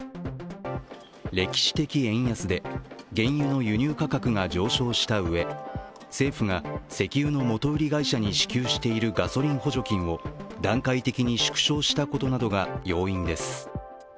歴史的円安で原油の輸入価格が上昇したうえ政府が石油の元売り会社に支給しているガソリン補助金を段階的に縮小したことなどが要因です。